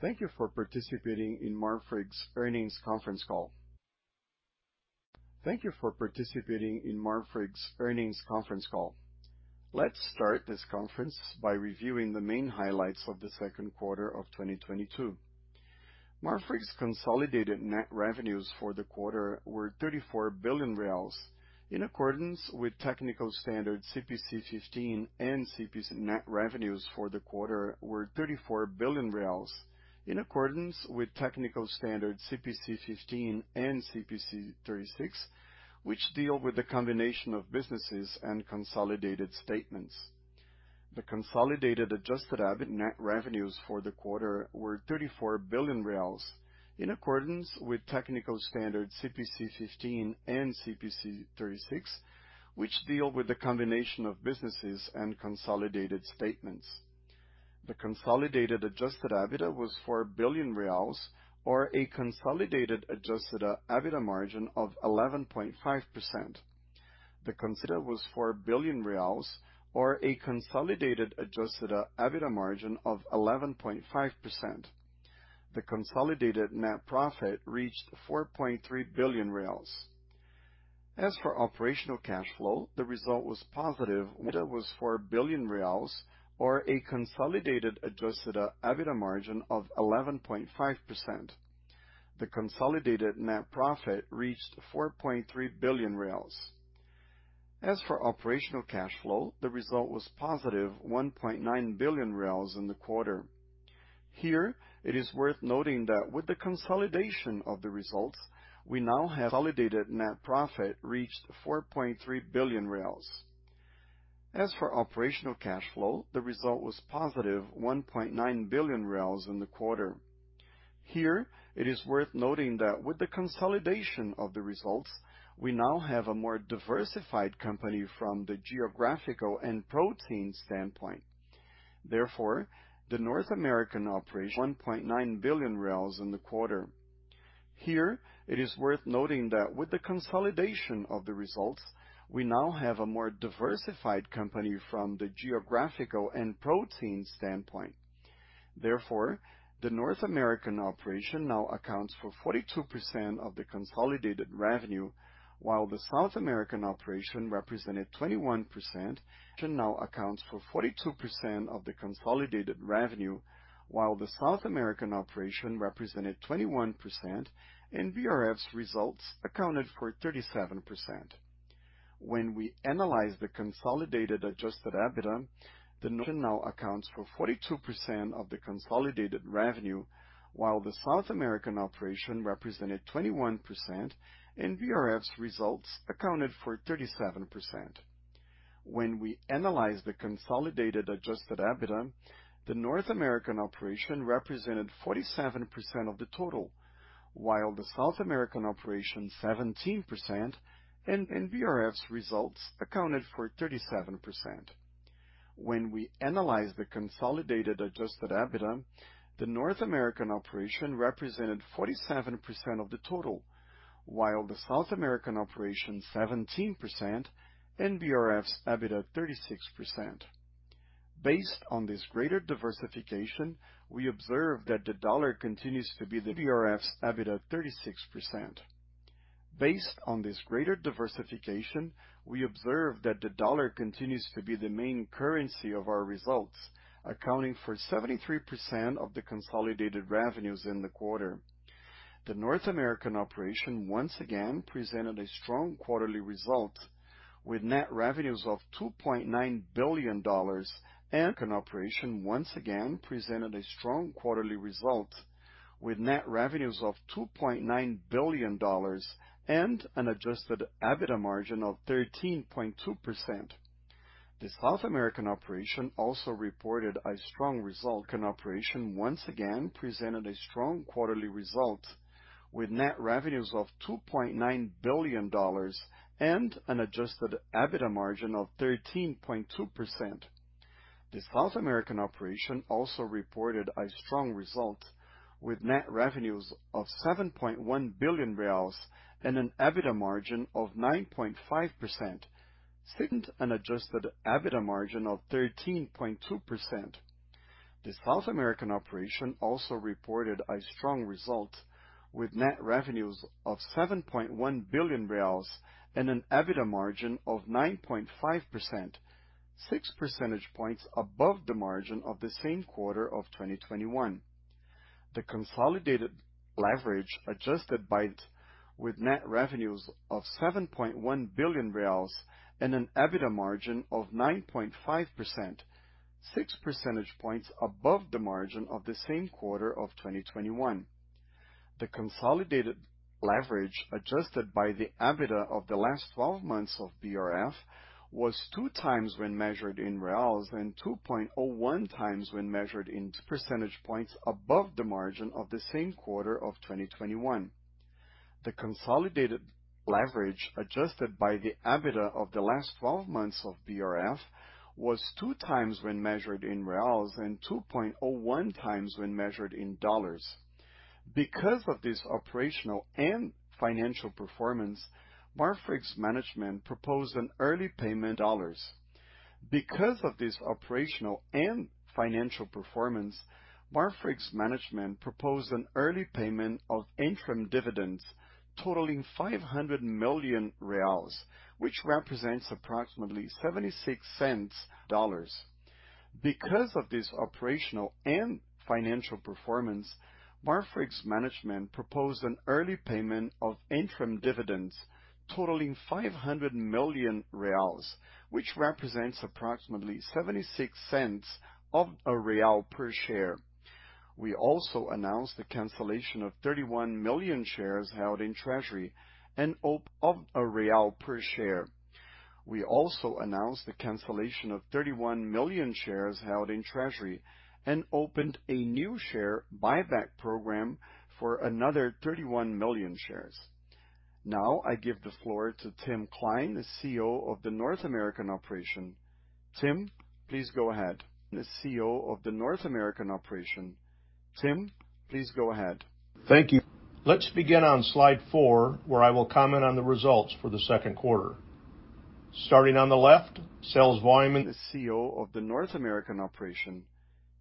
Thank you for participating in Marfrig's earnings conference call. Let's start this conference by reviewing the main highlights of the second quarter of 2022. Marfrig's consolidated net revenues for the quarter were 34.5 billion reais. In accordance with technical standard CPC 15 and CPC 36, which deal with the combination of businesses and consolidated statements. The consolidated adjusted EBITDA was 4 billion reais, or a consolidated adjusted EBITDA margin of 11.5%. EBITDA was BRL 4 billion or a consolidated adjusted EBITDA margin of 11.5%. The consolidated net profit reached 4.3 billion. As for operational cash flow, the result was positive BRL 1.9 billion in the quarter. Here, it is worth noting that with the consolidation of the results, we now have a more diversified company from the geographical and protein standpoint. Therefore, the North American operation generated 1.9 billion in the quarter. Here, it is worth noting that with the consolidation of the results, we now have a more diversified company from the geographical and protein standpoint. Therefore, the North American operation now accounts for 42% of the consolidated revenue, while the South American operation represented 21% and BRF's results accounted for 37%. When we analyze the consolidated adjusted EBITDA, the North American operation represented 47% of the total, while the South American operation represented 17% and BRF's results accounted for 37%. When we analyze the consolidated adjusted EBITDA, the North American operation represented 47% of the total, while the South American operation represented 17% and BRF's EBITDA 36%. Based on this greater diversification, we observe that the dollar continues to be the main currency of our results, accounting for 73% of the consolidated revenues in the quarter. The North American operation once again presented a strong quarterly result with net revenues of $2.9 billion and an adjusted EBITDA margin of 13.2%. The South American operation also reported a strong result. North American operation once again presented a strong quarterly result with net revenues of $2.9 billion and an adjusted EBITDA margin of 13.2%. The South American operation also reported a strong result with net revenues of 7.1 billion reais and an EBITDA margin of 9.5%, six percentage points above the margin of the same quarter of 2021. The consolidated leverage adjusted by the EBITDA of the last 12 months of BRF was 2x when measured in reals and 2.01x when measured in dollars. Because of this operational and financial performance, Marfrig's management proposed an early payment of interim dividends totaling 500 million, which represents approximately BRL 0.76 per share. We also announced the cancellation of 31 million shares held in treasury and opened a new share buyback program for another 31 million shares. Now I give the floor to Tim Klein, the CEO of the North American operation. Tim, please go ahead. Thank you. Let's begin on slide 4, where I will comment on the results for the second quarter. Starting on the left, sales volume. The CEO of the North American operation.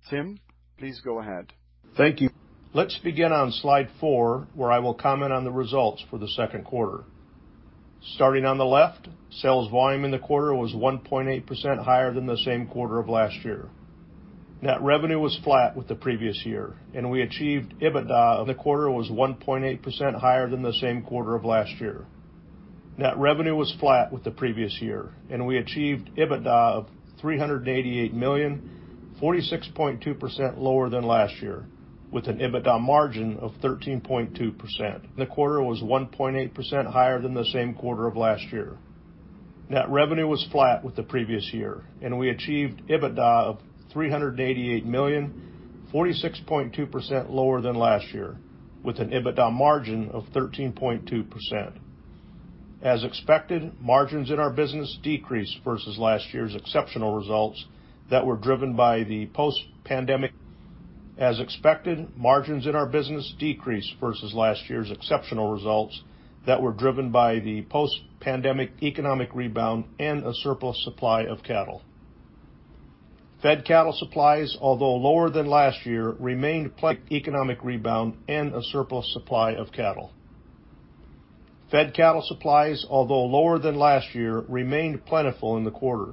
Tim, please go ahead. Thank you. Let's begin on slide 4, where I will comment on the results for the second quarter. Starting on the left, sales volume in the quarter was 1.8% higher than the same quarter of last year. Net revenue was flat with the previous year, and we achieved EBITDA of $388 million, 46.2% lower than last year, with an EBITDA margin of 13.2%. Net revenue was flat with the previous year, and we achieved EBITDA of $388 million, 46.2% lower than last year, with an EBITDA margin of 13.2%. As expected, margins in our business decreased versus last year's exceptional results that were driven by the post-pandemic economic rebound and a surplus supply of cattle. Fed cattle supplies, although lower than last year, remained plentiful in the quarter.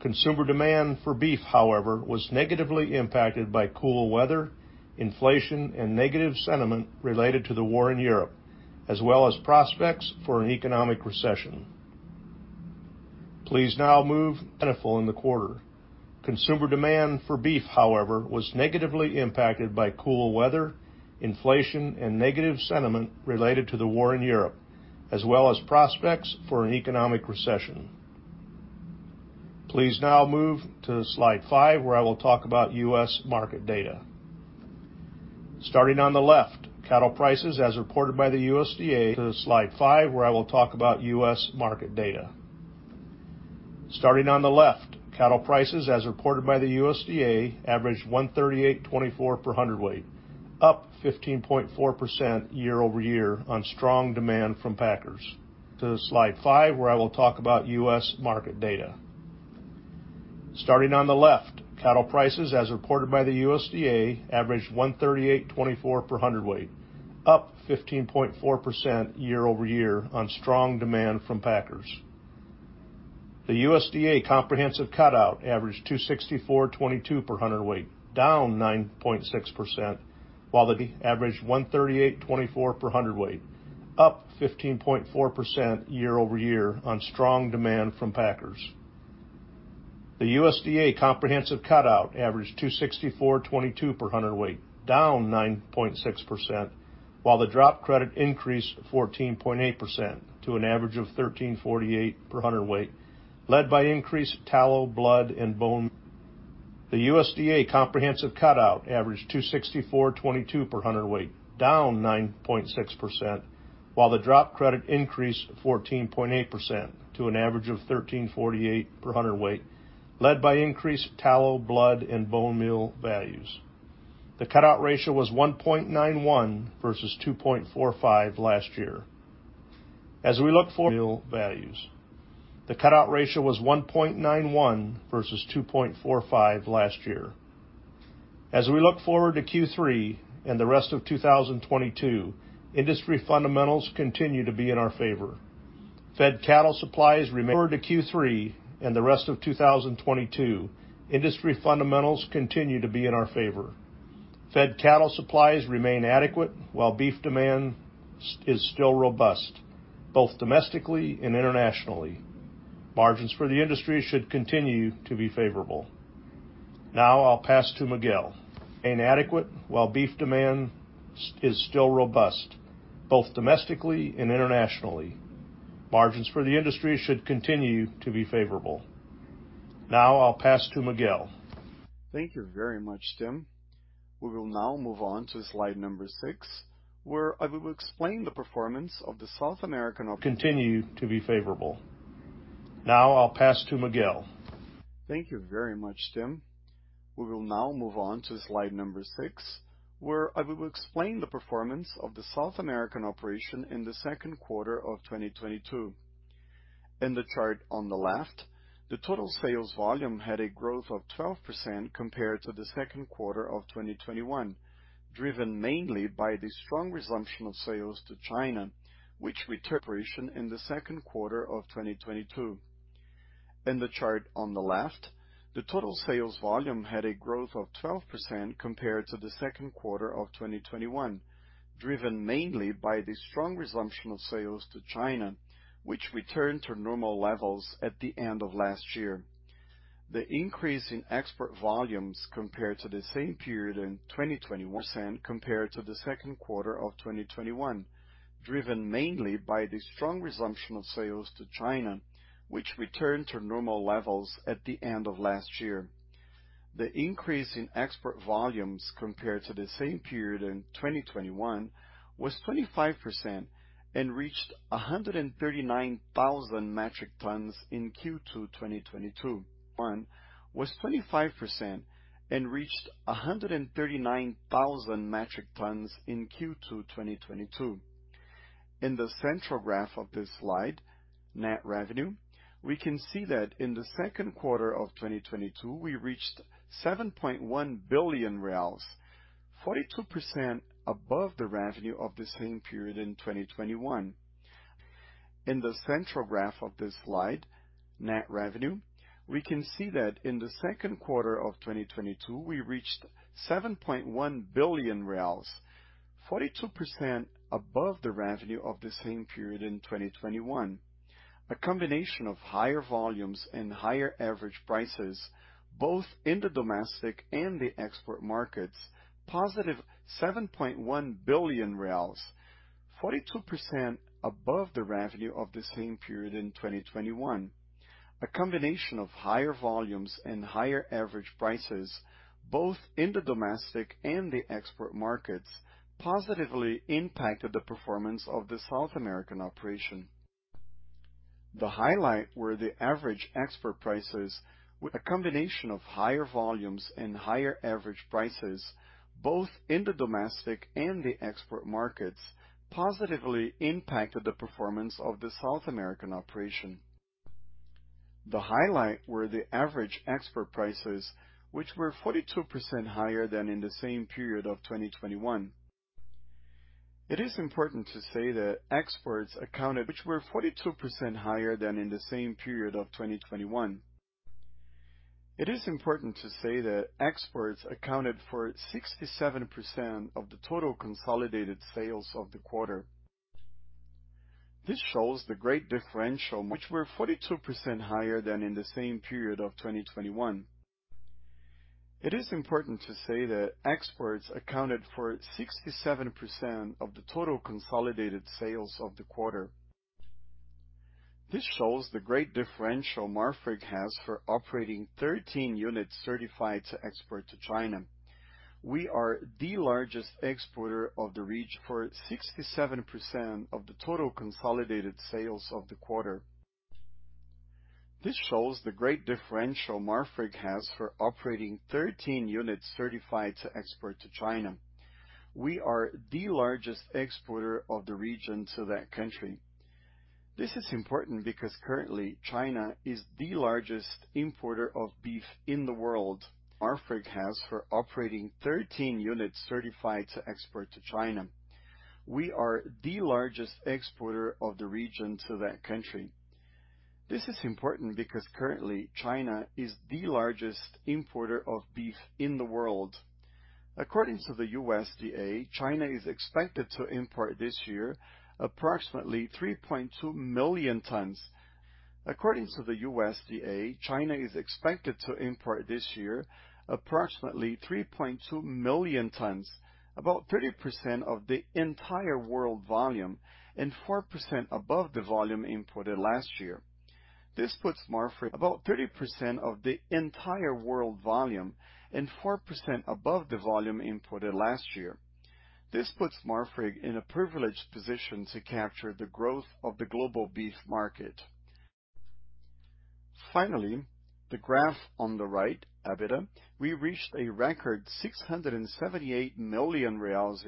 Consumer demand for beef, however, was negatively impacted by cool weather, inflation, and negative sentiment related to the war in Europe, as well as prospects for an economic recession. Consumer demand for beef, however, was negatively impacted by cool weather, inflation, and negative sentiment related to the war in Europe, as well as prospects for an economic recession. Please now move to slide five, where I will talk about U.S. market data. Starting on the left, cattle prices, as reported by the USDA, averaged $138.24 per hundredweight, up 15.4% year-over-year on strong demand from packers. The USDA comprehensive cutout averaged $264.22 per hundredweight, down 9.6%, while the drop credit increased 14.8% to an average of $13.48 per hundredweight, led by increased tallow, blood, and bone meal values. The cutout value was $1.91 versus $2.45 last year. As we look forward to Q3 and the rest of 2022, industry fundamentals continue to be in our favor. Fed cattle supplies remain adequate while beef demand is still robust, both domestically and internationally. Margins for the industry should continue to be favorable. Now I'll pass to Miguel. Thank you very much, Tim. We will now move on to slide number 6, where I will explain the performance of the South American operations. Continue to be favorable. Now I'll pass to Miguel. Thank you very much, Tim. We will now move on to slide number 6, where I will explain the performance of the South American operation in the second quarter of 2022. In the chart on the left, the total sales volume had a growth of 12% compared to the second quarter of 2021, driven mainly by the strong resumption of sales to China, which returned to normal levels at the end of last year. The increase in export volumes compared to the same period in 2021 was 25% and reached 139,000 metric tons in Q2 2022, driven mainly by the strong resumption of sales to China, which returned to normal levels at the end of last year. In the central graph of this slide, net revenue, we can see that in the second quarter of 2022 we reached 7.1 billion reais, 42% above the revenue of the same period in 2021. In the central graph of this slide, net revenue, we can see that in the second quarter of 2022 we reached 7.1 billion reais, 42% above the revenue of the same period in 2021. A combination of higher volumes and higher average prices, both in the domestic and the export markets, positively impacted the performance of the South American operation. The highlight was the average export prices. The highlight was the average export prices which were 42% higher than in the same period of 2021. It is important to say that exports accounted for 67% of the total consolidated sales of the quarter. This shows the great differential Marfrig has for operating 13 units certified to export to China. We are the largest exporter of the region. We are the largest exporter of the region to that country. This is important because currently China is the largest importer of beef in the world. Marfrig has 13 operating units certified to export to China. According to the USDA, China is expected to import this year approximately 3.2 million tons, about 30% of the entire world volume and 4% above the volume imported last year. This puts Marfrig in a privileged position to capture the growth of the global beef market. Finally, the graph on the right, EBITDA, we reached a record 678 million reais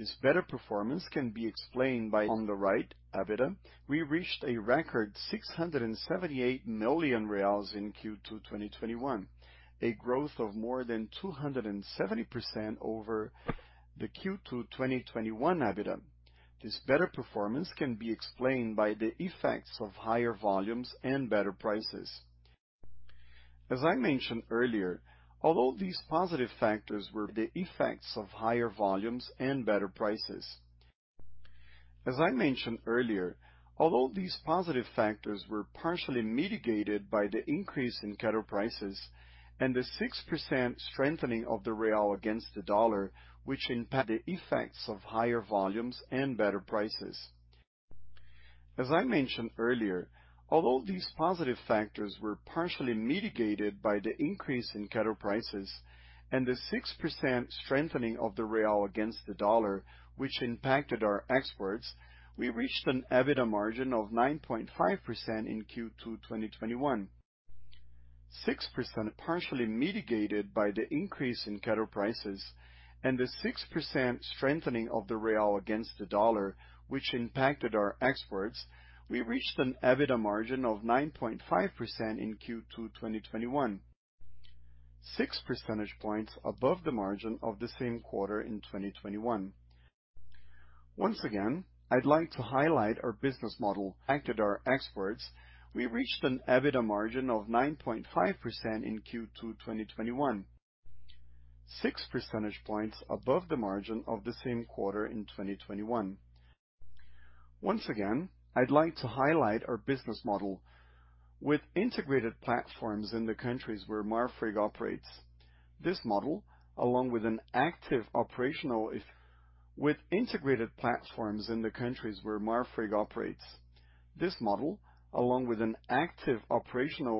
in Q2 2021, a growth of more than 270% over the Q2 2020 EBITDA. This better performance can be explained by the effects of higher volumes and better prices. As I mentioned earlier, although these positive factors were partially mitigated by the increase in cattle prices and the 6% strengthening of the real against the dollar, which impacted our exports, we reached an EBITDA margin of 9.5% in Q2 2021. Six percentage points above the margin of the same quarter in 2021. Once again, I'd like to highlight our business model. Impacted our exports, we reached an EBITDA margin of 9.5% in Q2 2021, six percentage points above the margin of the same quarter in 2021. With integrated platforms in the countries where Marfrig operates, this model, along with an active operational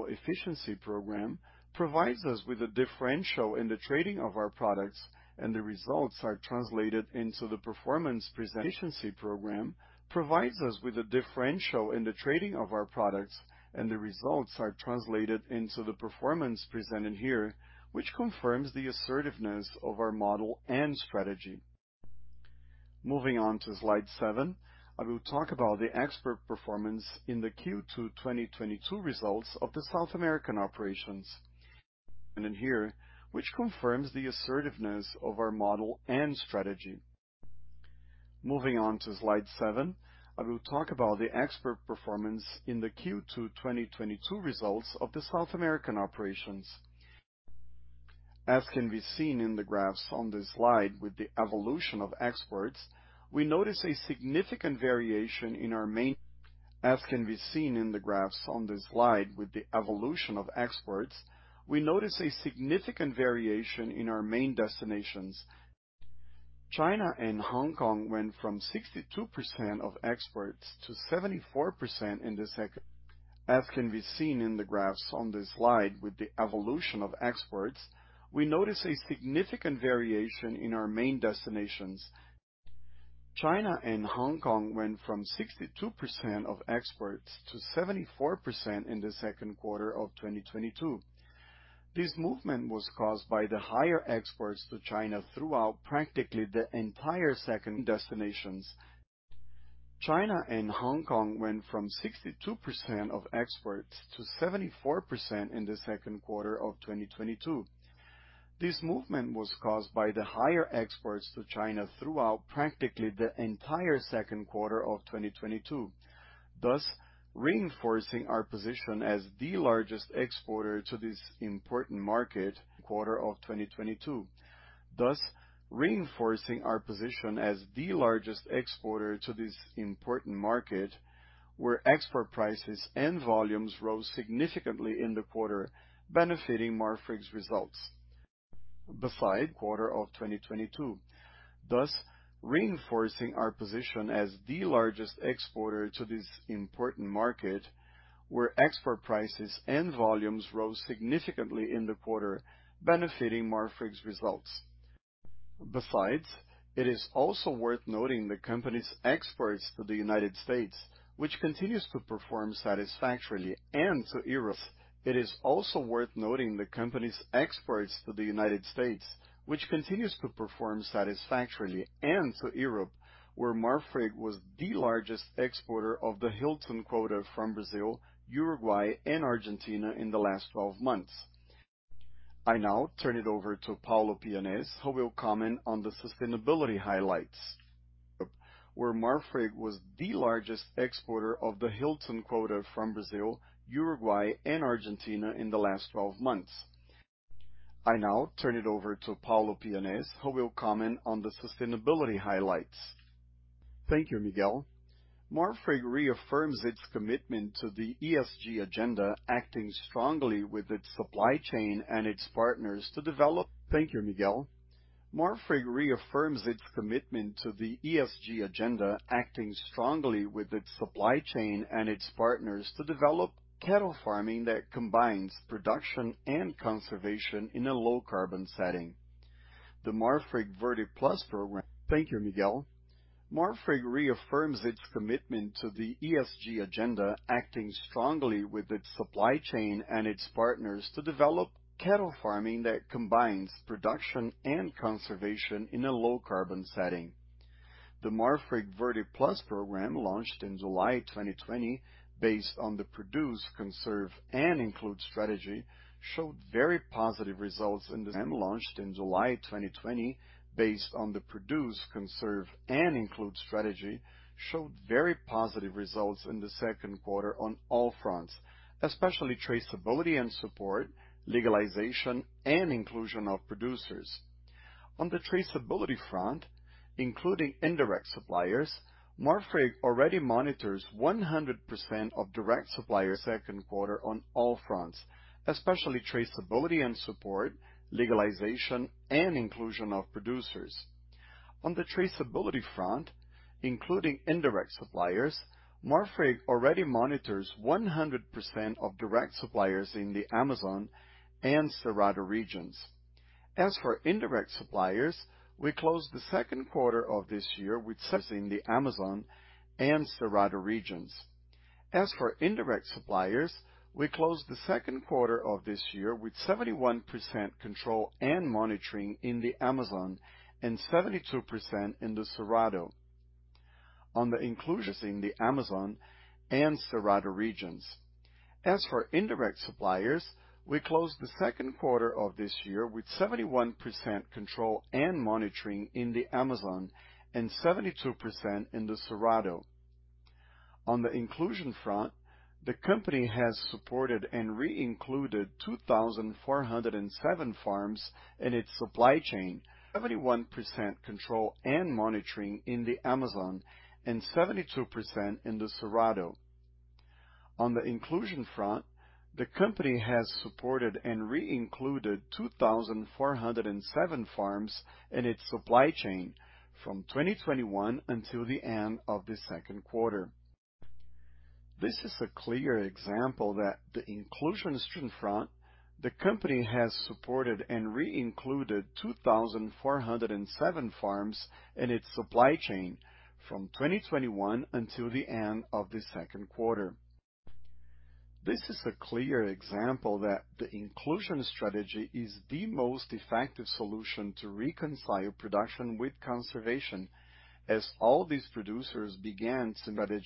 efficiency program, provides us with a differential in the trading of our products, and the results are translated into the performance presented here, which confirms the assertiveness of our model and strategy. Moving on to slide seven, I will talk about the export performance in the Q2 2022 results of the South American operations. This confirms the assertiveness of our model and strategy. As can be seen in the graphs on this slide with the evolution of exports, we notice a significant variation in our main destinations. China and Hong Kong went from 62% of exports to 74% in the sec- China and Hong Kong went from 62% of exports to 74% in the second quarter of 2022. This movement was caused by the higher exports to China throughout practically the entire second quarter of 2022, thus reinforcing our position as the largest exporter to this important market where export prices and volumes rose significantly in the quarter, benefiting Marfrig's results. Besides, it is also worth noting the company's exports to the United States, which continues to perform satisfactorily and to Europe, where Marfrig was the largest exporter of the Hilton Quota from Brazil, Uruguay, and Argentina in the last 12 months. I now turn it over to Paulo Pianez, who will comment on the sustainability highlights. Thank you, Miguel. Marfrig reaffirms its commitment to the ESG agenda, acting strongly with its supply chain and its partners to develop. Thank you, Miguel. Marfrig reaffirms its commitment to the ESG agenda, acting strongly with its supply chain and its partners to develop cattle farming that combines production and conservation in a low carbon setting. The Marfrig Verde+ Plan launched in July 2020 based on the produce, conserve, and include strategy showed very positive results in the second quarter on all fronts, especially traceability and support, legalization, and inclusion of producers. On the traceability front, including indirect suppliers, Marfrig already monitors 100% of direct suppliers in the Amazon and Cerrado regions. As for indirect suppliers, we closed the second quarter of this year within the Amazon and Cerrado regions. As for indirect suppliers, we closed the second quarter of this year with 71% control and monitoring in the Amazon and 72% in the Cerrado. On the inclusion front, the company has supported and re-included 2,407 farms in its supply chain from 2021 until the end of the second quarter. The company has supported and re-included 2,407 farms in its supply chain from 2021 until the end of the second quarter. This is a clear example that the inclusion strategy is the most effective solution to reconcile production with conservation as all these producers began to meet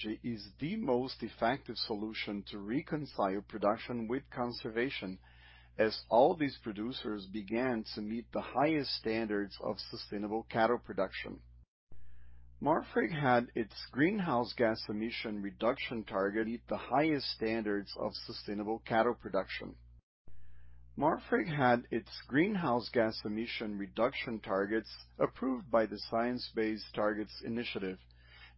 the highest standards of sustainable cattle production. Marfrig had its greenhouse gas emission reduction targets approved by the Science Based Targets initiative,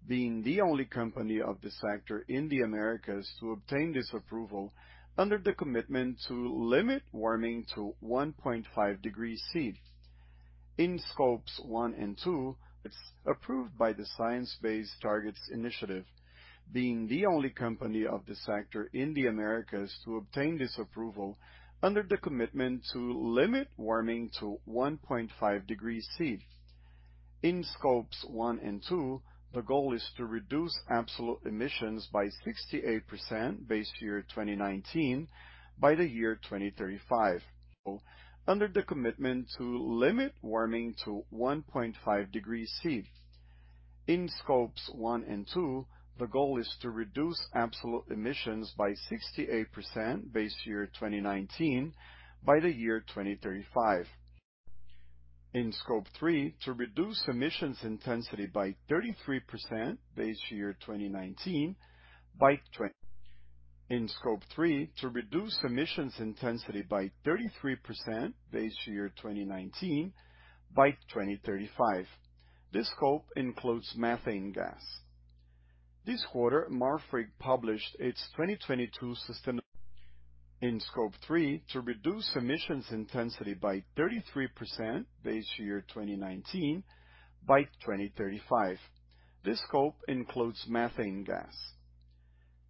being the only company of this sector in the Americas to obtain this approval under the commitment to limit warming to 1.5 degrees Celsius. In scopes one and two, approved by the Science Based Targets initiative, being the only company of this sector in the Americas to obtain this approval under the commitment to limit warming to 1.5 degrees C. In scopes one and two, the goal is to reduce absolute emissions by 68% base year 2019 by the year 2035. In scope three, to reduce emissions intensity by 33% base year 2019 by 2035. This scope includes methane gas.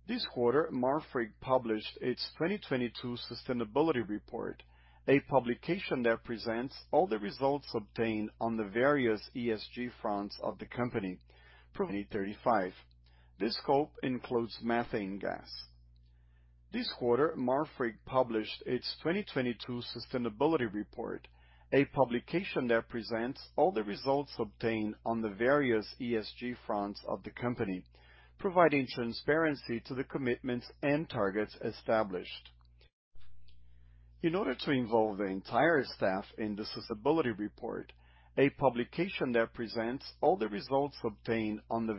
This quarter, Marfrig published its 2022 sustainability report, a publication that presents all the results obtained on the various ESG fronts of the company, providing transparency to the commitments and targets established. In scope three, to reduce emissions intensity by 33% base year 2019 by 2035. This scope includes methane gas. In order to involve the entire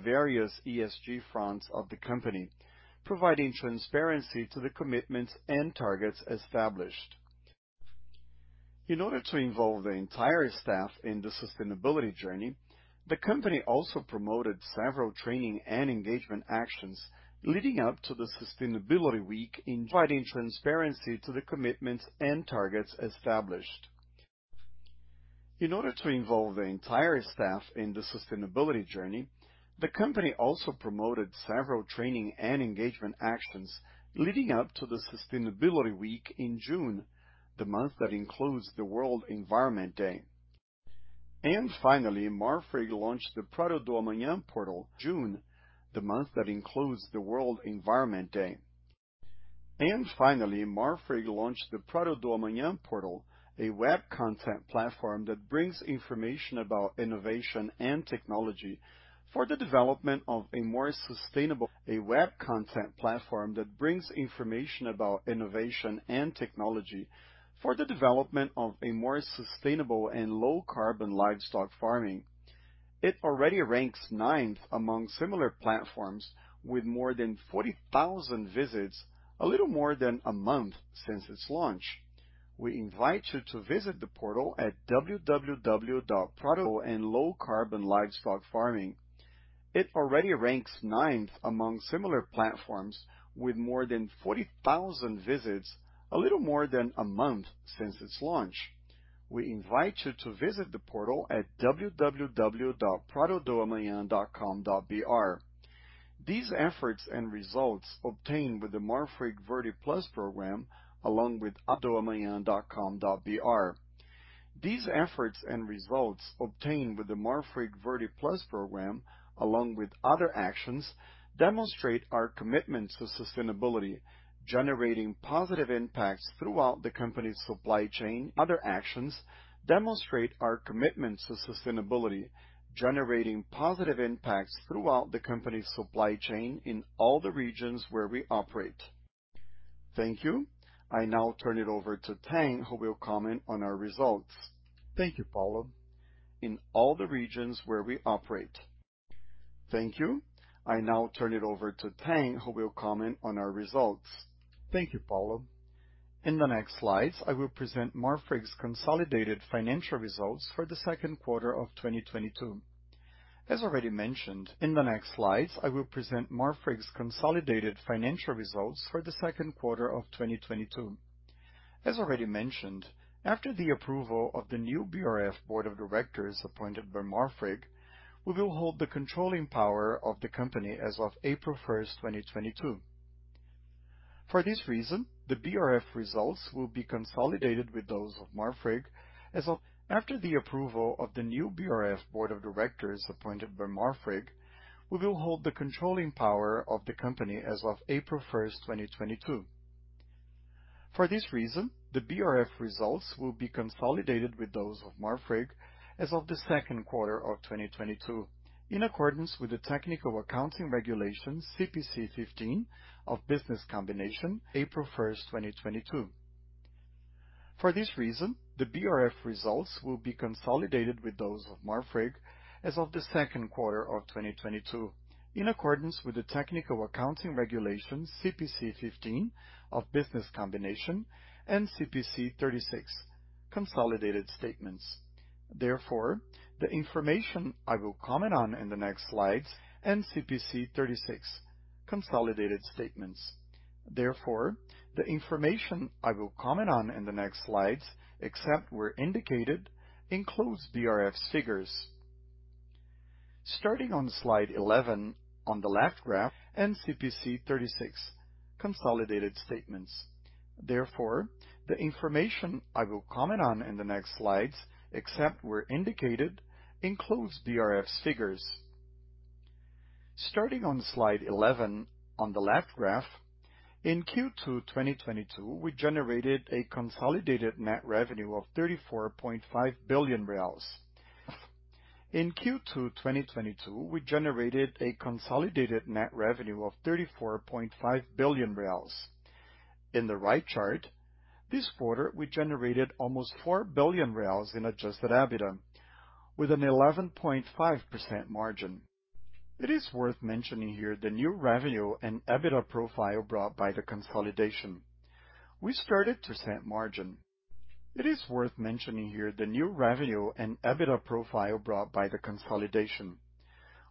staff in the sustainability report. In order to involve the entire staff in the sustainability journey, the company also promoted several training and engagement actions leading up to the sustainability week in June, the month that includes the World Environment Day. Finally, Marfrig launched the Prato do Amanhã portal. Finally, Marfrig launched the Prato do Amanhã portal, a web content platform that brings information about innovation and technology for the development of a more sustainable and low carbon livestock farming. It already ranks ninth among similar platforms with more than 40,000 visits a little more than a month since its launch. We invite you to visit the portal at pratodoamanha.com.br. These efforts and results obtained with the Marfrig Verde+ Plan, along with pratodoamanha.com.br. These efforts and results obtained with the Marfrig Verde+ Plan along with other actions demonstrate our commitment to sustainability, generating positive impacts throughout the company's supply chain in all the regions where we operate. Thank you. I now turn it over to Tang, who will comment on our results. Thank you, Paulo. In the next slides, I will present Marfrig's consolidated financial results for the second quarter of 2022. As already mentioned, after the approval of the new BRF board of directors appointed by Marfrig, we will hold the controlling power of the company as of April first, 2022. For this reason, the BRF results will be consolidated with those of Marfrig as of the second quarter of 2022. In accordance with the Technical Accounting Regulation CPC 15 of Business Combination and CPC 36, Consolidated Statements. Therefore, the information I will comment on in the next slides, except where indicated, includes BRF's figures. Starting on slide 11 on the left graph, in Q2 2022, we generated a consolidated net revenue of 34.5 billion reais. In the right chart, this quarter, we generated almost 4 billion reais in adjusted EBITDA with an 11.5% margin. It is worth mentioning here the new revenue and EBITDA profile brought by the consolidation. It is worth mentioning here the new revenue and EBITDA profile brought by the consolidation.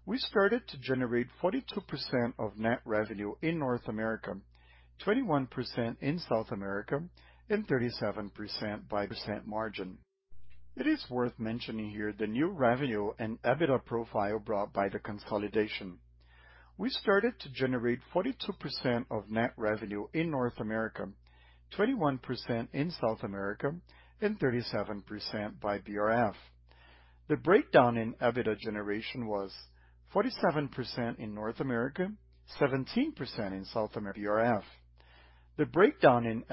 We started to generate 42% of net revenue in North America, 21% in South America, and 37% by BRF. The breakdown in EBITDA generation was 47% in North America, 17% in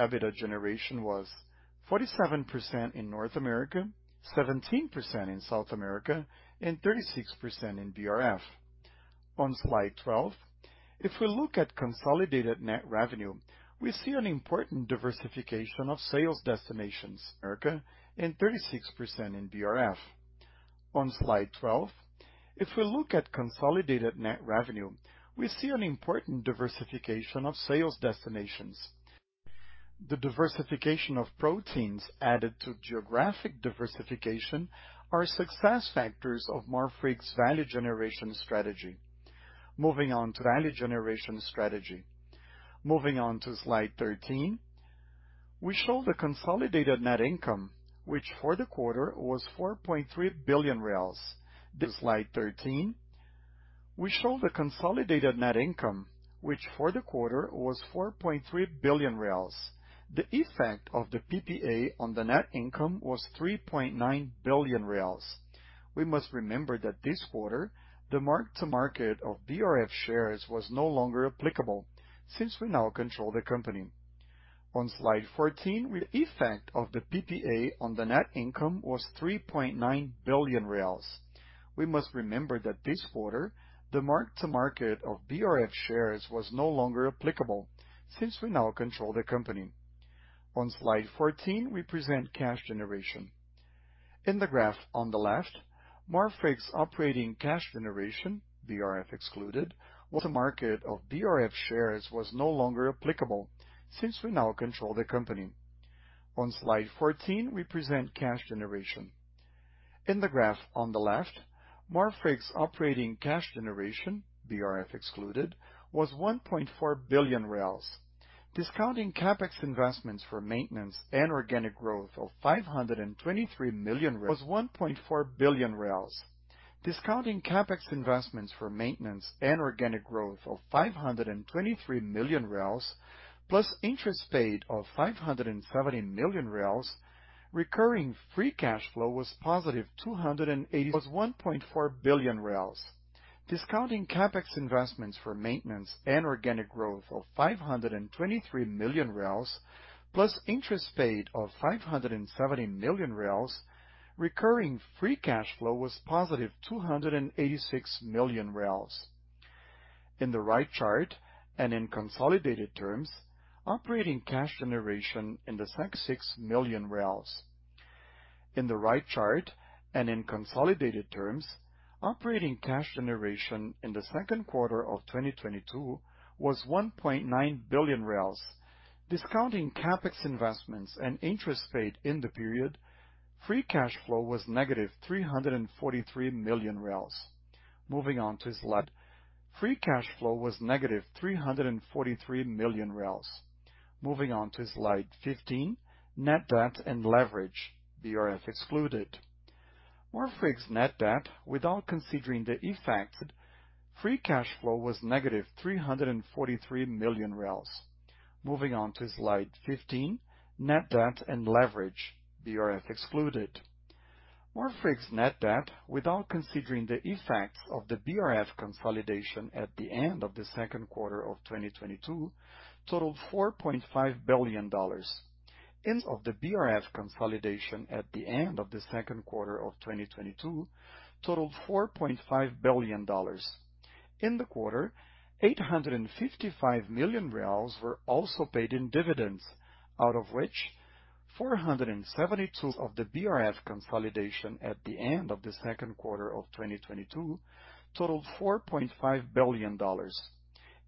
South America, and 36% in BRF. On slide 12, if we look at consolidated net revenue, we see an important diversification of sales destinations. On slide 12, if we look at consolidated net revenue, we see an important diversification of sales destinations. The diversification of proteins, combined with geographic diversification, are success factors of Marfrig's value generation strategy. Moving on to slide 13, we show the consolidated net income, which for the quarter was 4.3 billion reais. The effect of the PPA on the net income was 3.9 billion reais. We must remember that this quarter, the mark to market of BRF shares was no longer applicable since we now control the company. We must remember that this quarter, the mark to market of BRF shares was no longer applicable since we now control the company. On slide 14, we present cash generation. In the graph on the left, Marfrig's operating cash generation, BRF excluded, was 1.4 billion. Discounting CapEx investments for maintenance and organic growth of 523 million, plus interest paid of BRL 570 million, recurring free cash flow was positive 280 million. Discounting CapEx investments for maintenance and organic growth of 523 million, plus interest paid of 570 million, recurring free cash flow was positive 286 million reais. In the right chart, and in consolidated terms, operating cash generation in the second quarter of 2022 was 1.9 billion reais. Discounting CapEx investments and interest paid in the period, free cash flow was negative 343 million reais. Moving on to slide 15, net debt and leverage, BRF excluded. Marfrig's net debt, without considering the effects. Moving on to slide 15, net debt and leverage, BRF excluded. Marfrig's net debt, without considering the effects of the BRF consolidation at the end of the second quarter of 2022, totaled $4.5 billion. In the quarter, 855 million reais were also paid in dividends, out of which BRL 472 million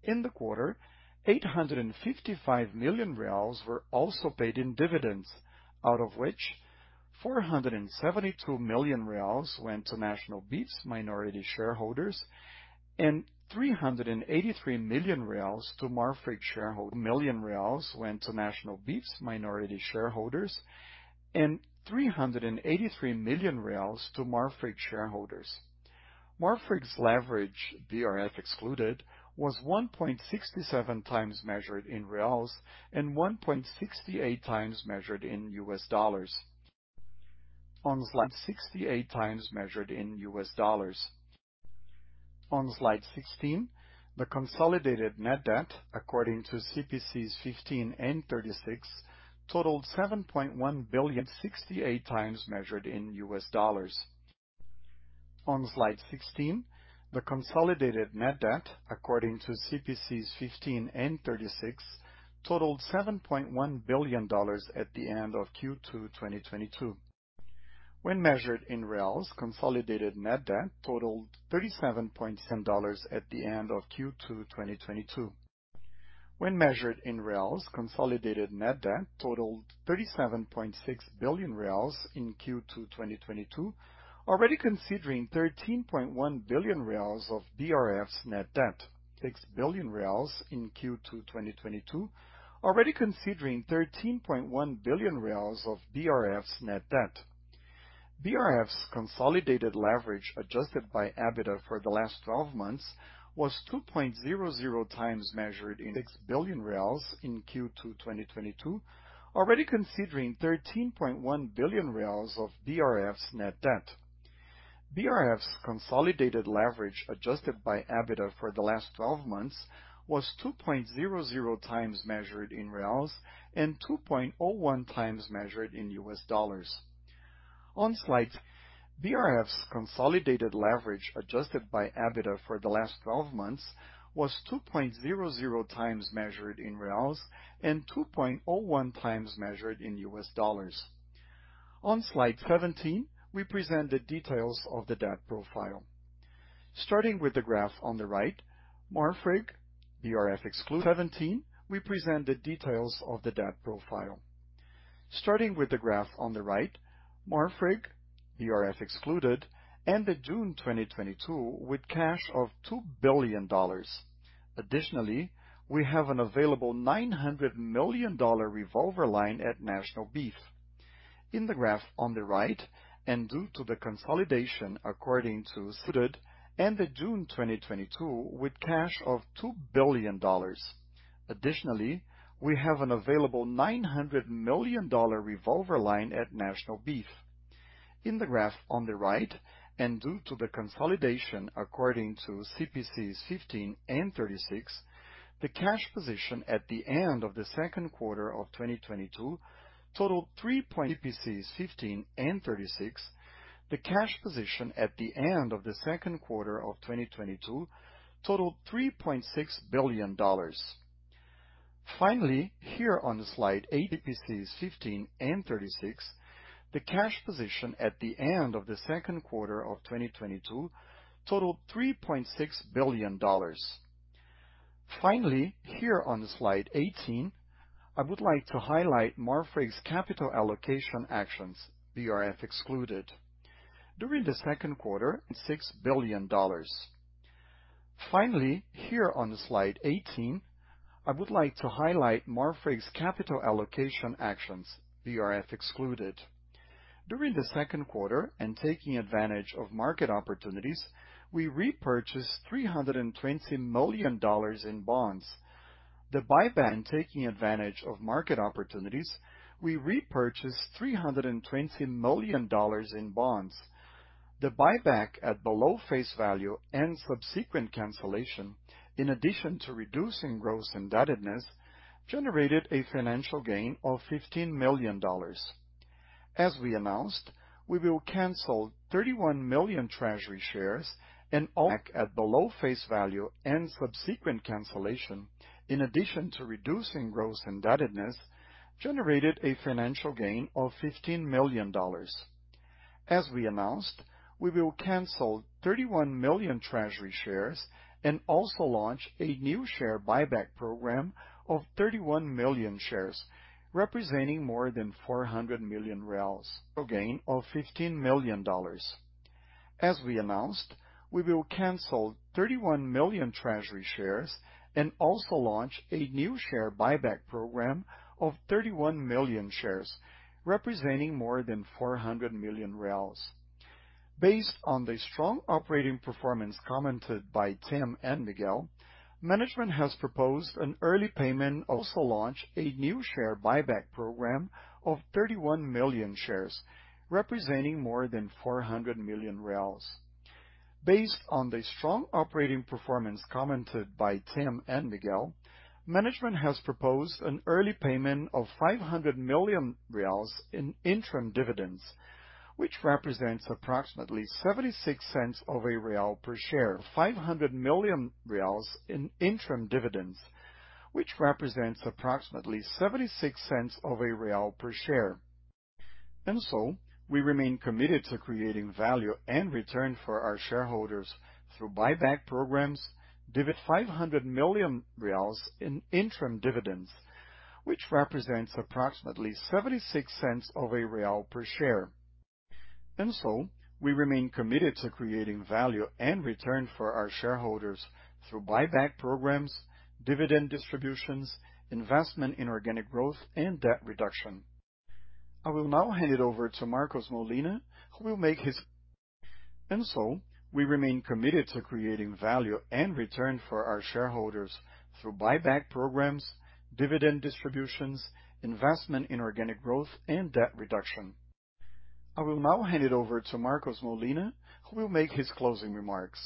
In the quarter, 855 million reais were also paid in dividends, out of which 472 million reais went to National Beef's minority shareholders and 383 million reais to Marfrig's shareholders. Marfrig's leverage, BRF excluded, was 1.67 times measured in reals and 1.68 times measured in US dollars. On slide 16, the consolidated net debt according to CPC 15 and 36 totaled $7.1 billion at the end of Q2 2022. When measured in reals, consolidated net debt totaled 37.6 billion reais in Q2 2022, already considering 13.1 billion reais of BRF's net debt. BRF's consolidated leverage, adjusted by EBITDA for the last twelve months, was 2.00x measured in reals and 2.01x measured in US dollars. BRF's consolidated leverage, adjusted by EBITDA for the last twelve months, was 2.00x measured in reals and 2.01x measured in US dollars. On slide 17, we present the details of the debt profile. Starting with the graph on the right, Marfrig, BRF excluded, ended June 2022 with cash of $2 billion. Additionally, we have an available $900 million-dollar revolver line at National Beef. In the graph on the right, due to the consolidation according to CPC 15 and 36, the cash position at the end of the second quarter of 2022 totaled $3.6 billion. Finally, here on the slide 18, I would like to highlight Marfrig's capital allocation actions, BRF excluded. During the second quarter, taking advantage of market opportunities, we repurchased $320 million in bonds. The buyback and taking advantage of market opportunities, we repurchased $320 million in bonds. The buyback at below face value and subsequent cancellation, in addition to reducing gross indebtedness, generated a financial gain of $15 million. As we announced, we will cancel 31 million treasury shares and also launch a new share buyback program of 31 million shares, representing more than BRL 400 million. Based on the strong operating performance commented by Tim and Miguel, management has proposed an early payment of 500 million reais in interim dividends, which represents approximately 0.76 per share. Also launch a new share buyback program of 31 million shares, representing more than BRL 400 million. We remain committed to creating value and return for our shareholders through buyback programs, dividend distributions, investment in organic growth and debt reduction. We remain committed to creating value and return for our shareholders through buyback programs, dividend distributions, investment in organic growth and debt reduction. I will now hand it over to Marcos Molina, who will make his closing remarks.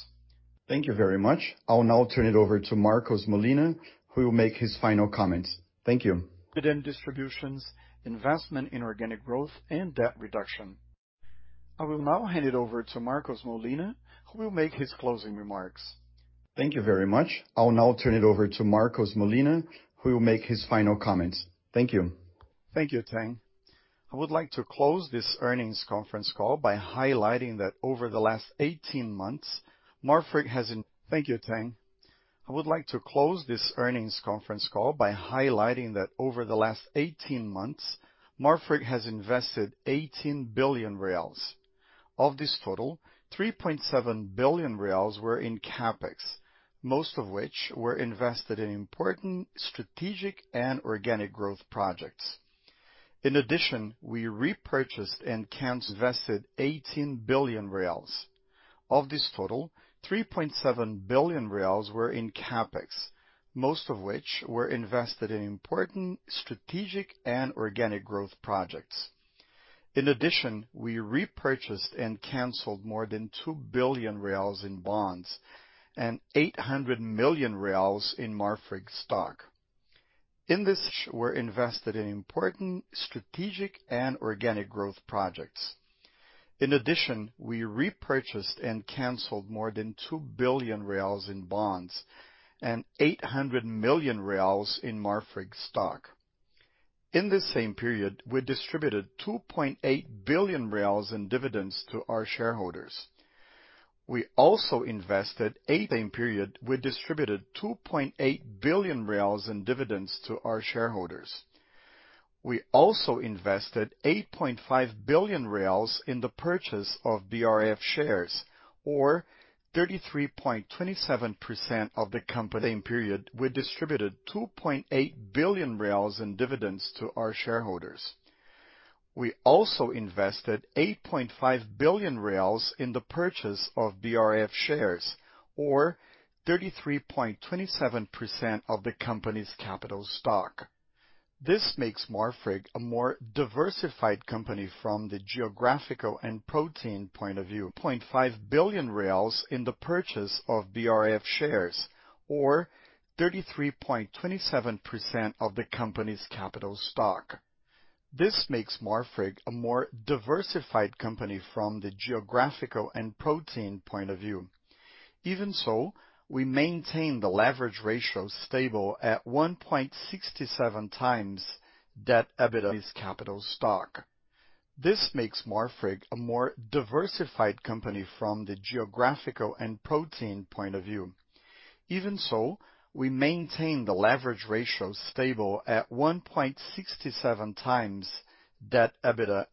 Thank you very much. I'll now turn it over to Marcos Molina, who will make his final comments. Thank you. Dividend distributions, investment in organic growth and debt reduction. I will now hand it over to Marcos Molina, who will make his closing remarks. Thank you very much. I'll now turn it over to Marcos Molina, who will make his final comments. Thank you. Thank you, Tang. I would like to close this earnings conference call by highlighting that over the last 18 months, Marfrig has invested 18 billion reais. Of this total, 3.7 billion reais were in CapEx, most of which were invested in important strategic and organic growth projects. In addition, we repurchased and canceled more than 2 billion reais in bonds and 800 million reais in Marfrig stock. In addition, we repurchased and canceled more than 2 billion reais in bonds and 800 million reais in Marfrig stock. In the same period, we distributed 2.8 billion reais in dividends to our shareholders. We also invested 8.5 billion reais in the purchase of BRF shares or 33.27% of the company's capital stock. This makes Marfrig a more diversified company from the geographical and protein point of view. 0.5 billion reais in the purchase of BRF shares or 33.27% of the company's capital stock. This makes Marfrig a more diversified company from the geographical and protein point of view. Even so, we maintain the leverage ratio stable at 1.67 times debt to EBITDA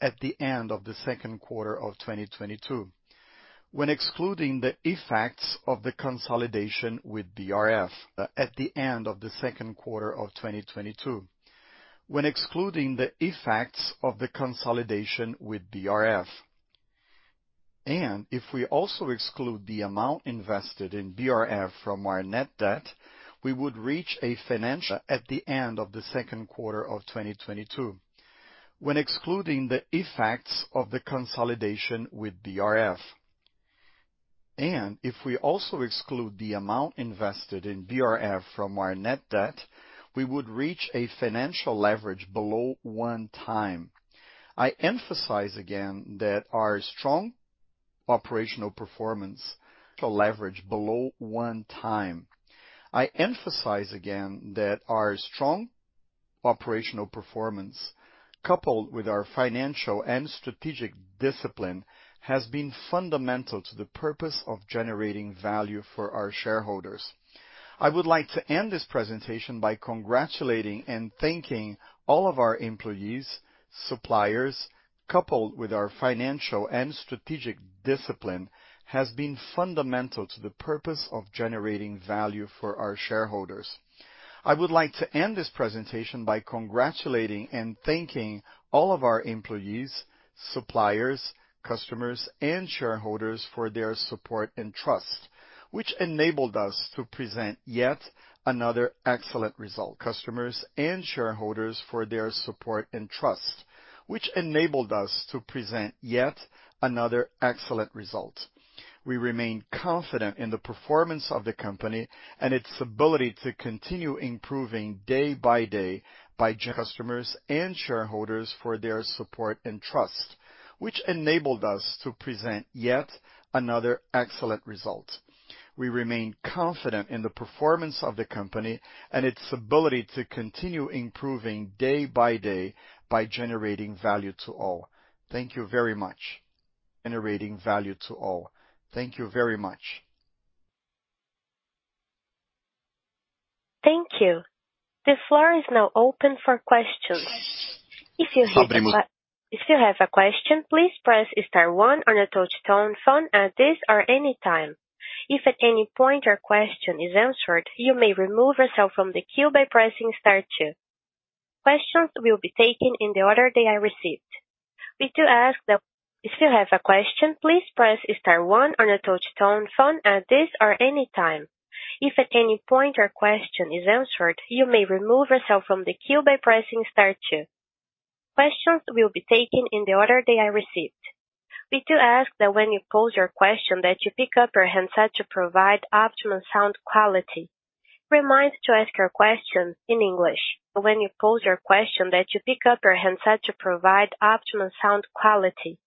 at the end of the second quarter of 2022, when excluding the effects of the consolidation with BRF. When excluding the effects of the consolidation with BRF, if we also exclude the amount invested in BRF from our net debt, we would reach a financial leverage below one time. I emphasize again that our strong operational performance, coupled with our financial and strategic discipline, has been fundamental to the purpose of generating value for our shareholders. I would like to end this presentation by congratulating and thanking all of our employees, suppliers, customers and shareholders for their support and trust, which enabled us to present yet another excellent result. Customers and shareholders for their support and trust, which enabled us to present yet another excellent result. We remain confident in the performance of the company and its ability to continue improving day by day by generating value to all. Thank you very much. Thank you. The floor is now open for questions. If you have a question, please press star one on your touch tone phone at this or any time. If at any point your question is answered, you may remove yourself from the queue by pressing star two. Questions will be taken in the order they are received. We do ask that. If you have a question, please press star one on your touch tone phone at this or any time. If at any point your question is answered, you may remove yourself from the queue by pressing star two. Questions will be taken in the order they are received. We do ask that when you pose your question that you pick up your handset to provide optimum sound quality. Reminder to ask your question in English. When you pose your question that you pick up your handset to provide optimum sound quality.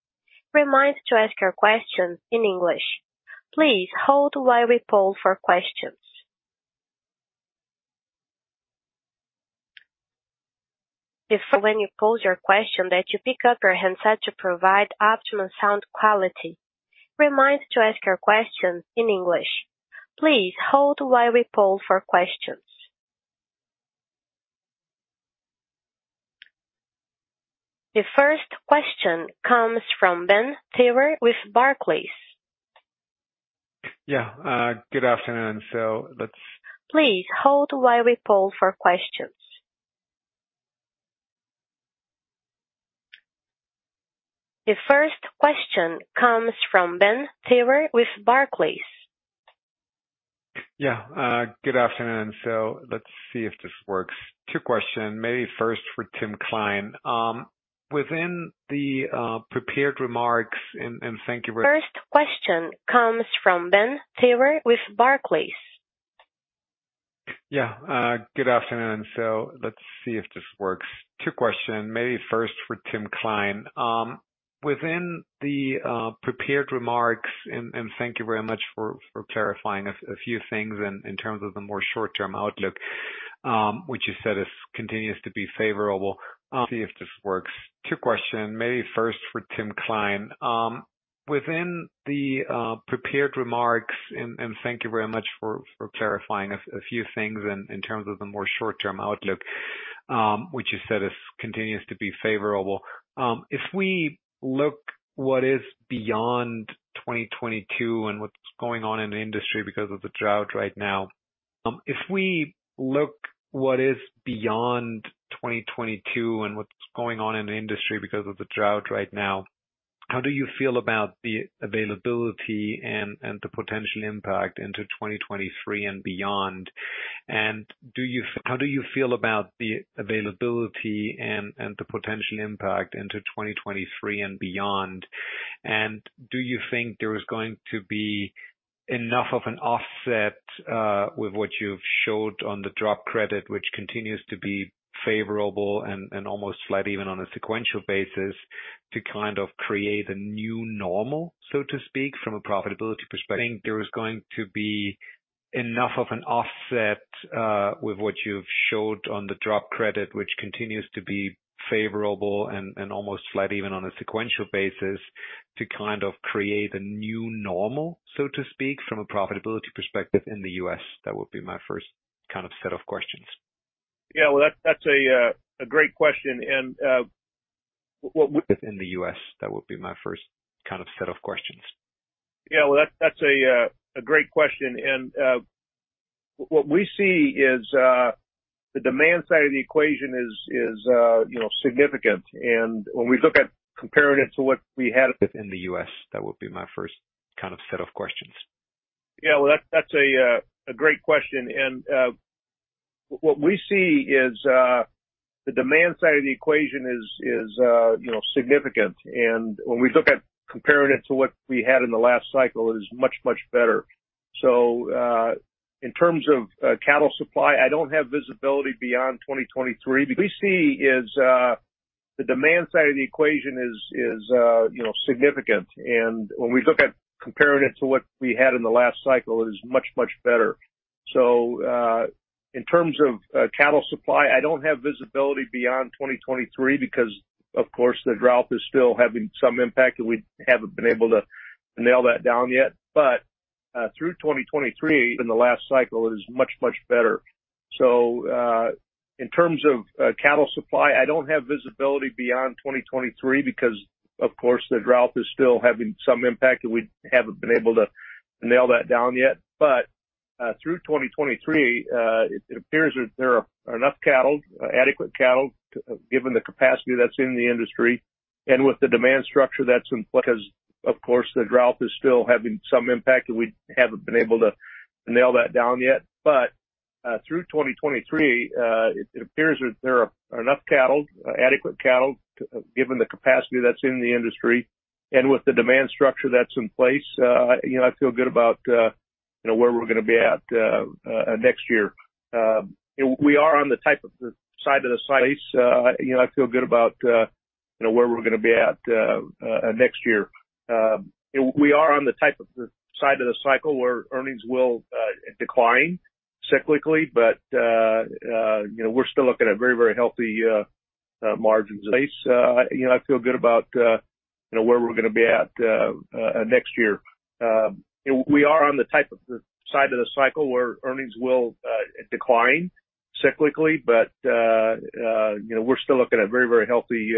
Reminder to ask your question in English. Please hold while we poll for questions. The first question comes from Ben Theurer with Barclays. Yeah. Good afternoon. Please hold while we poll for questions. The first question comes from Ben Theurer with Barclays. Yeah. Good afternoon. Let's see if this works. Two questions, maybe first for Tim Klein. Within the prepared remarks and thank you very- First question comes from Ben Theurer with Barclays. Yeah. Good afternoon. Let's see if this works. Two questions, maybe first for Tim Klein. Within the prepared remarks and thank you very much for clarifying a few things in terms of the more short-term outlook, which you said continues to be favorable. If we look what is beyond 2022 and what's going on in the industry because of the drought right now. If we look at what is beyond 2022 and what's going on in the industry because of the drought right now, how do you feel about the availability and the potential impact into 2023 and beyond? Do you think there is going to be enough of an offset with what you've showed on the drop credit, which continues to be favorable and almost flat even on a sequential basis, to kind of create a new normal, so to speak, from a profitability perspective. I think there is going to be enough of an offset, with what you've showed on the drop credit, which continues to be favorable and almost flat even on a sequential basis, to kind of create a new normal, so to speak, from a profitability perspective in the U.S. That would be my first kind of set of questions. Yeah. Well, that's a great question. What we- Within the U.S. That would be my first kind of set of questions. Yeah. Well, that's a great question. What we see is the demand side of the equation is, you know, significant. When we look at comparing it to what we had. Within the U.S. That would be my first kind of set of questions. Yeah. Well, that's a great question. What we see is the demand side of the equation is you know significant. When we look at comparing it to what we had in the last cycle, it is much better. In terms of cattle supply, I don't have visibility beyond 2023 because, of course, the drought is still having some impact and we haven't been able to nail that down yet. Through 2023 in the last cycle is much better. In terms of cattle supply, I don't have visibility beyond 2023 because, of course, the drought is still having some impact and we haven't been able to nail that down yet. Through 2023, it appears there are enough cattle, adequate cattle, given the capacity that's in the industry and with the demand structure that's in place. You know, I feel good about, you know, where we're gonna be at next year. We are on the downside of the cycle where earnings will decline cyclically. You know, we're still looking at very, very healthy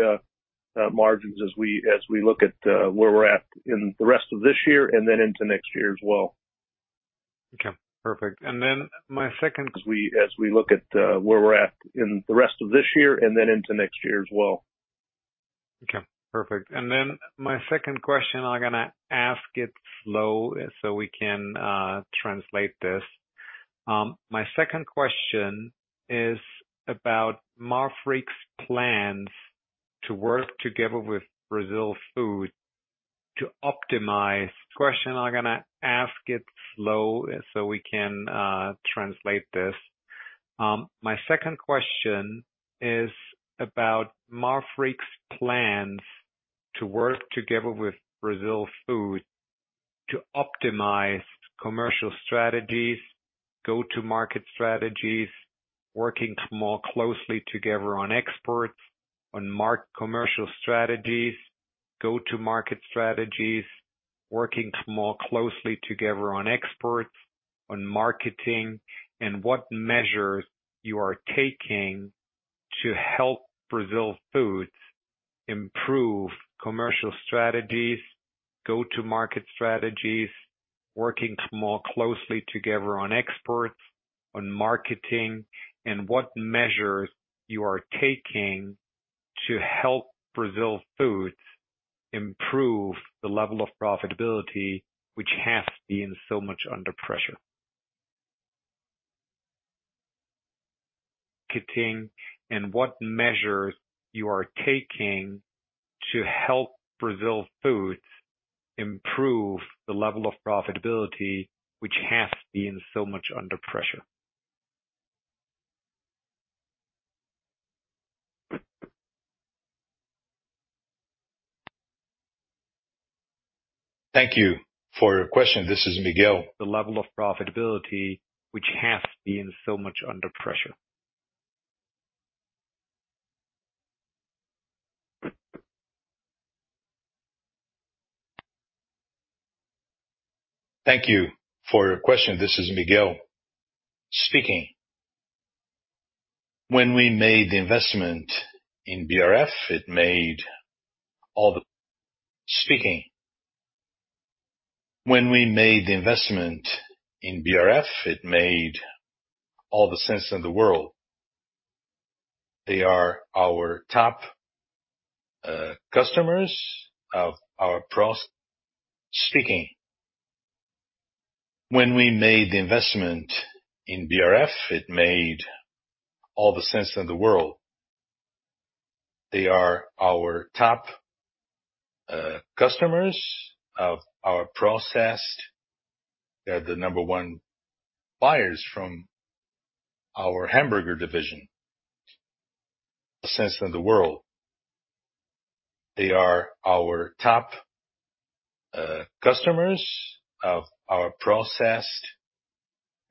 margins as we look at where we're at in the rest of this year and then into next year as well. You know, I feel good about, you know, where we're gonna be at next year. Okay, perfect. As we look at where we're at in the rest of this year and then into next year as well. Okay, perfect. My second question, I'm gonna ask it slow so we can translate this. My second question is about Marfrig's plans to work together with BRF S.A. to optimize commercial strategies, go-to-market strategies, working more closely together on exports, on marketing, and what measures you are taking to help BRF improve the level of profitability which has been so much under pressure. Marketing, and what measures you are taking to help BRF S.A. improve the level of profitability which has been so much under pressure. Thank you for your question. This is Miguel. The level of profitability which has been so much under pressure. Thank you for your question. This is Miguel speaking. When we made the investment in BRF, it made all the sense in the world. They are our top customers of our processed. They are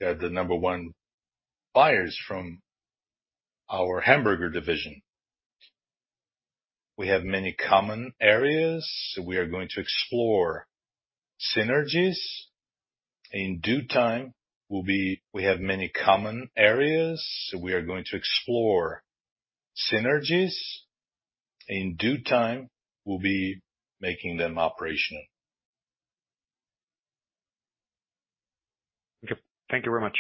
the number one buyers from our hamburger division. We have many common areas, so we are going to explore synergies in due time. We'll be making them operational. Okay. Thank you very much.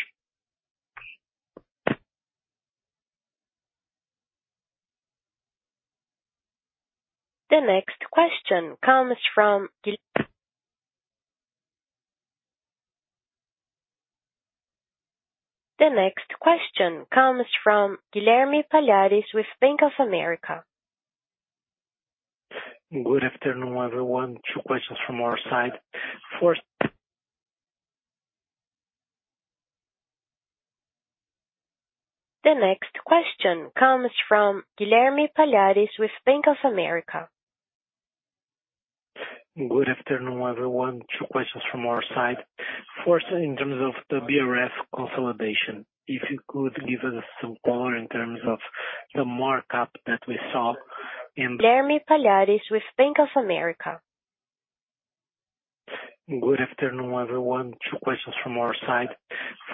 The next question comes from Guilherme Palhares with Bank of America. Good afternoon, everyone. Two questions from our side. First. The next question comes from Guilherme Palhares with Bank of America. Good afternoon, everyone. Two questions from our side. First, in terms of the BRF consolidation, if you could give us some color in terms of the markup that we saw in the Guilherme Palhares with Bank of America. Good afternoon, everyone. Two questions from our side.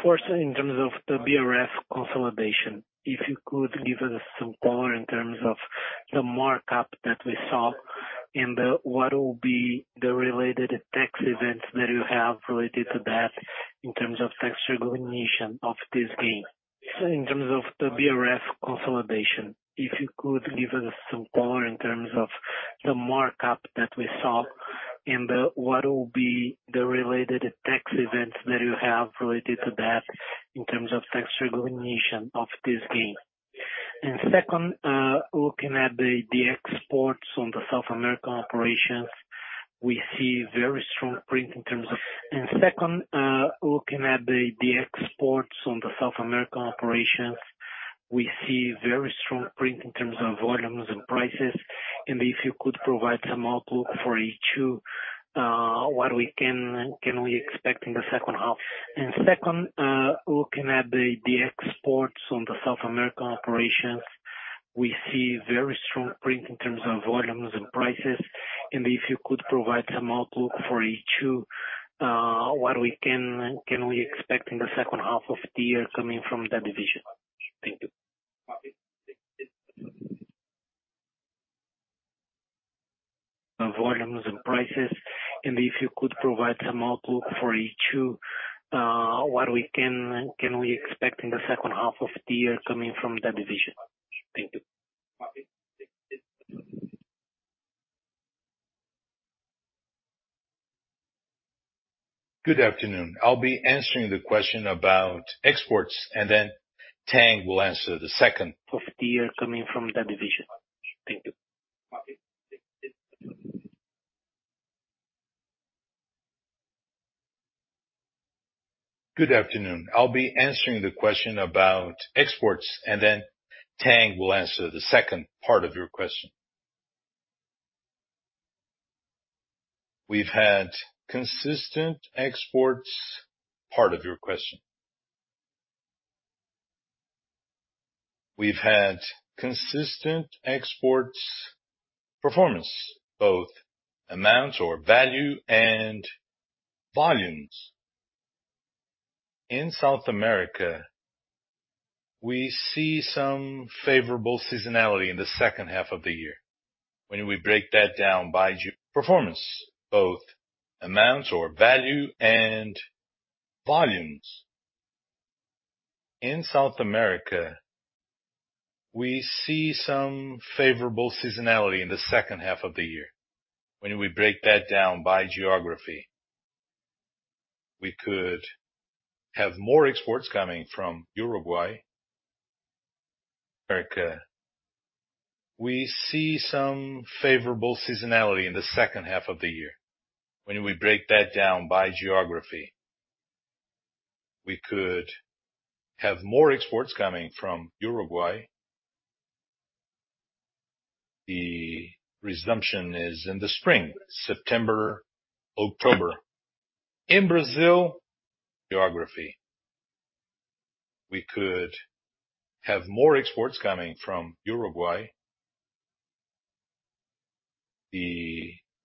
First, in terms of the BRF consolidation, if you could give us some color in terms of the markup that we saw and what will be the related tax events that you have related to that in terms of tax recognition of this gain? Second, looking at the exports on the South American operations, we see very strong print in terms of volumes and prices. If you could provide some outlook for H2, what we can expect in the second half? Second, looking at the exports on the South American operations, we see very strong print in terms of volumes and prices. If you could provide some outlook for H2, what we can expect in the second half of the year coming from that division? Thank you. Good afternoon. I'll be answering the question about exports, and then Tang will answer the second- Of the year coming from that division. Thank you. Good afternoon. I'll be answering the question about exports, and then Tang will answer the second part of your question. We've had consistent exports performance, both amounts or value and volumes. In South America, we see some favorable seasonality in the second half of the year. When we break that down by geography, we could have more exports coming from Uruguay. The resumption is in the spring, September, October. In Brazil The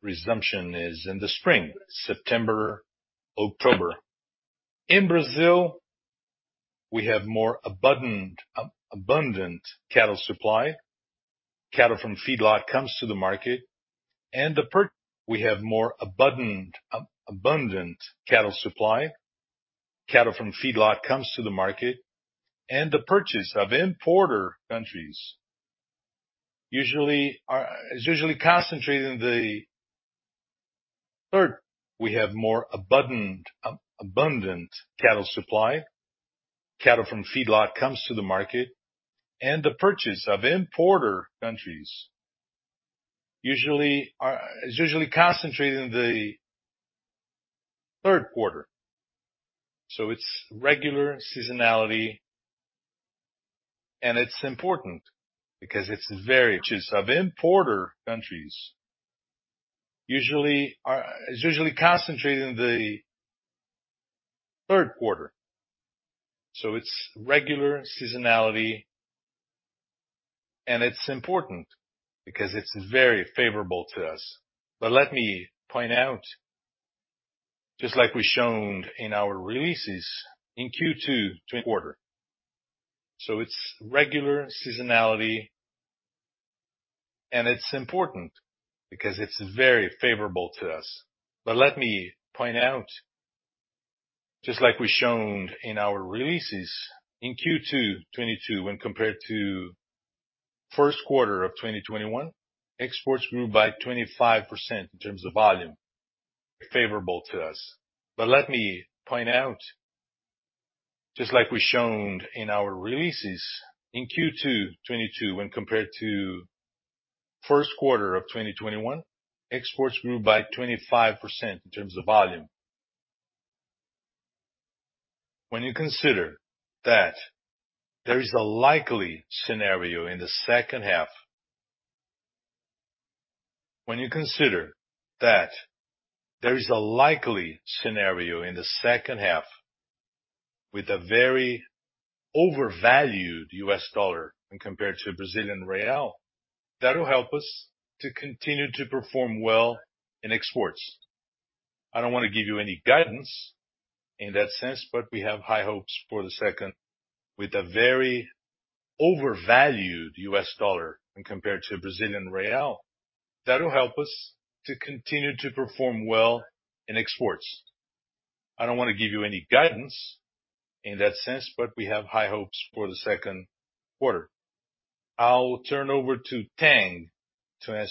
resumption is in the spring, September, October. In Brazil, we have more abundant cattle supply. Cattle from feedlot comes to the market, and the purchase of importer countries usually is concentrated in the third quarter. It's regular seasonality, and it's important because it's very favorable to us. Let me point out, just like we shown in our releases in Q2 twenty- Let me point out, just like we shown in our releases in Q2 2022 when compared to first quarter of 2021, exports grew by 25% in terms of volume. Favorable to us. When you consider that there is a likely scenario in the second half with a very overvalued U.S. dollar when compared to Brazilian real, that will help us to continue to perform well in exports. I don't wanna give you any guidance in that sense, but we have high hopes for the second quarter. With a very overvalued US dollar when compared to Brazilian real, that will help us to continue to perform well in exports. I don't wanna give you any guidance in that sense, but we have high hopes for the second quarter. I'll turn over to Tang David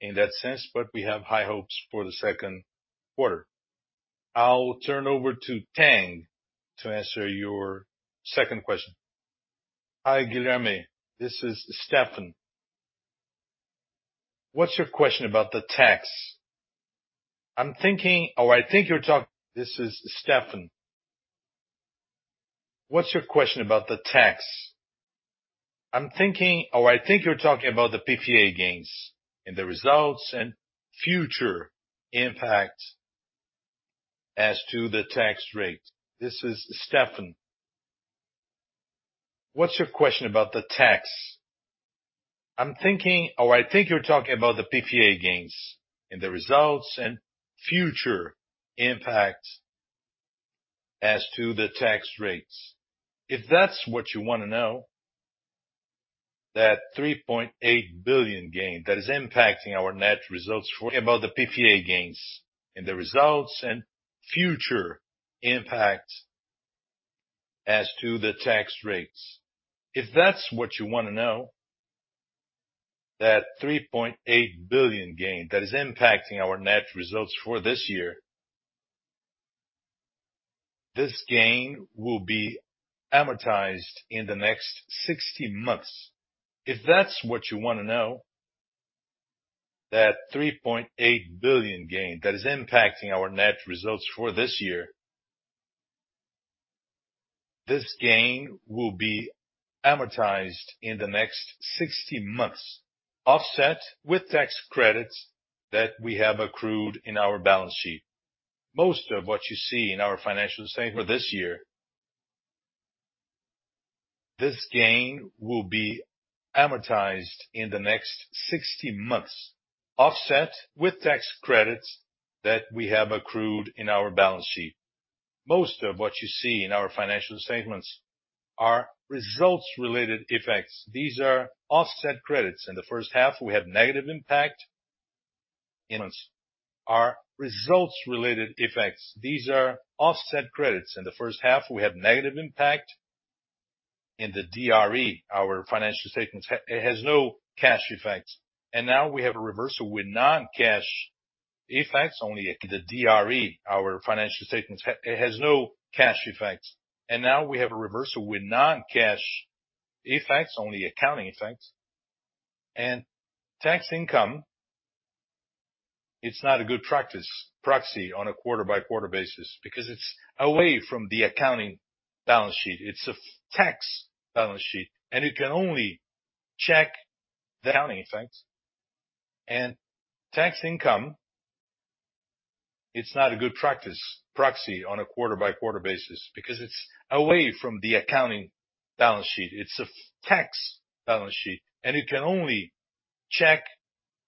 to answer your second question. Hi, Guilherme, this is Tang. What's your question about the tax? I think you're talking about the PPA gains and the results and future impact as to the tax rates. If that's what you wanna know, that 3.8 billion gain that is impacting our net results for this year, this gain will be amortized in the next 60 months, offset with tax credits that we have accrued in our balance sheet. Most of what you see in our financial statements are results-related effects. These are offset credits. In the first half, we had negative impact in the DRE. It has no cash effects. Now we have a reversal with non-cash effects, only accounting effects. Accounting effects and tax income, it's not a good practice to proxy on a quarter-by-quarter basis because it's away from the accounting balance sheet. It's a tax balance sheet. It's a deferred tax balance sheet, and it can only check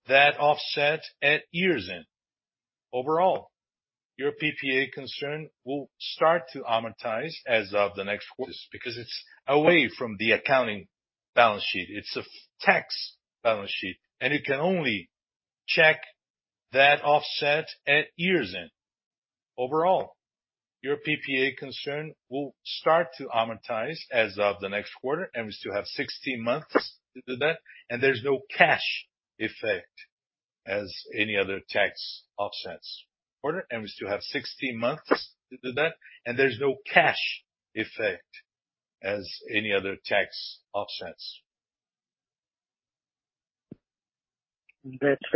that offset at year's end. Overall, your PPA concern will start to amortize as of the next quarter. It's away from the accounting balance sheet. Overall, your PPA concern will start to amortize as of the next quarter, and we still have 16 months to do that, and there's no cash effect as any other tax offsets. That's very clear. Thank you. Excuse me. This concludes today's question and answer. That's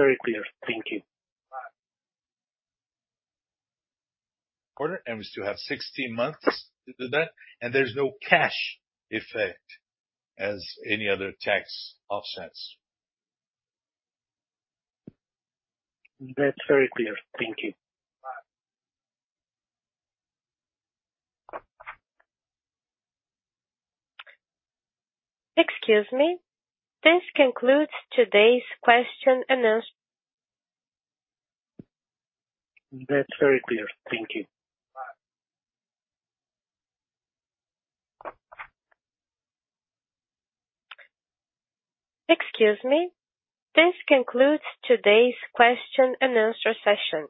very clear. Thank you. Excuse me. This concludes today's question and answer session.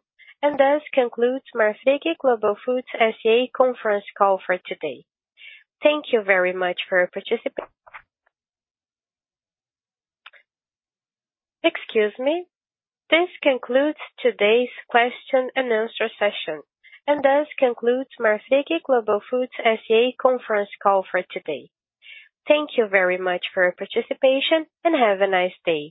This concludes Marfrig Global Foods S.A. conference call for today. Thank you very much for your participation, and have a nice day.